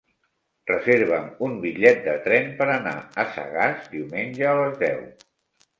Reserva'm un bitllet de tren per anar a Sagàs diumenge a les deu.